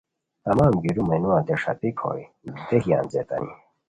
تمام گیرو مینوانتین ݰاپیک ہوئے دیہی انځئیتانی